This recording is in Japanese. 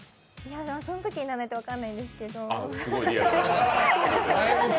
そんときになんないと分かんないんですけど。